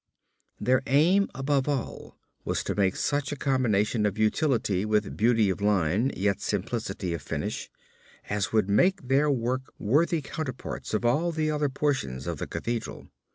Their aim above all was to make such a combination of utility with beauty of line yet simplicity of finish, as would make their work worthy counterparts of all the other portions of the Cathedral.